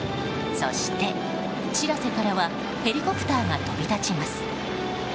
そして、「しらせ」からはヘリコプターが飛び立ちます。